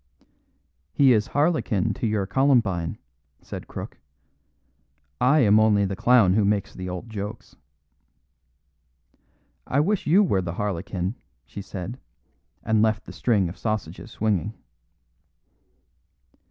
"He is harlequin to your columbine," said Crook. "I am only the clown who makes the old jokes." "I wish you were the harlequin," she said, and left the string of sausages swinging.